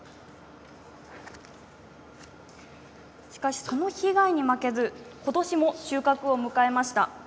しかし、その被害に負けずことしも収穫を迎えました。